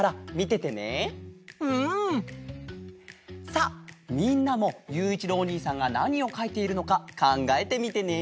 さあみんなもゆういちろうおにいさんがなにをかいているのかかんがえてみてね！